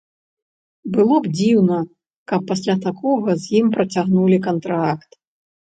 Было б дзіўна, каб пасля такога з ім працягнулі кантракт.